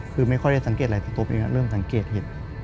คือไม่ค่อยได้สังเกตอะไรสักตัวหนึ่งเริ่มสังเกตเห็น